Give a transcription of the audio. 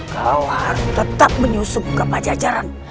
kau harus tetap menyusup ke pajajaran